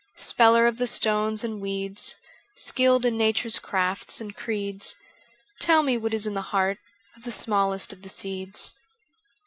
Speller of the stones and weeds, Skilled in Nature's crafts and creeds, Tell me what is in the heart Of the smallest of the seeds.